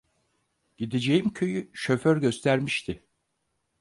Gideceğim köyü şoför göstermişti.